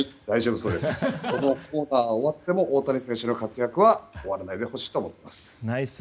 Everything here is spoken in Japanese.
僕もこのコーナーが終わっても大谷選手の活躍は終わらないでほしいと思っています。